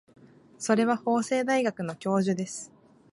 それは法政大学の教授です。